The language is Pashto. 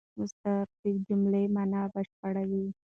مصدر د جملې مانا بشپړوي.